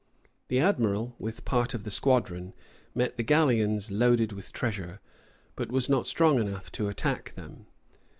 The admiral, with part of the squadron, met the galleons loaded with treasure; but was not strong enough to attack them.